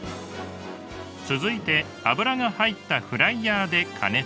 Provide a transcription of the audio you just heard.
続いて油が入ったフライヤーで加熱。